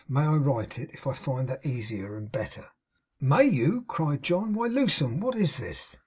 May I write it, if I find that easier and better?' 'May you!' cried John. 'Why, Lewsome, what is this!